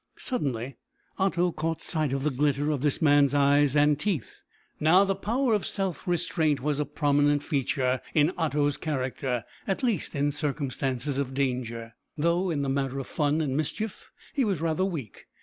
Suddenly Otto caught sight of the glitter of this man's eyes and teeth. Now, the power of self restraint was a prominent feature in Otto's character, at least in circumstances of danger, though in the matter of fun and mischief he was rather weak.